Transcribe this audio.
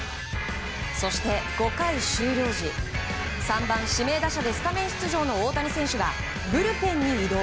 そして５回終了時３番、指名打者でスタメン出場の大谷選手がブルペンに移動。